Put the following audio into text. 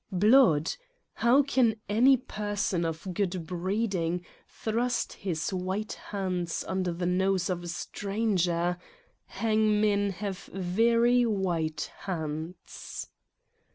Blood! How can any person of good breeding thrust his white hands under the nose of a stranger Hang men have very white hands